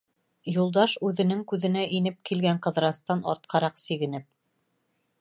Юлдаш, үҙенең күҙенә инеп килгән Ҡыҙырастан артҡараҡ сигенеп: